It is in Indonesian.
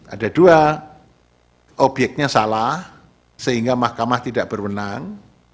ada dua obyeknya salah sehingga mahkamah tidak berwenang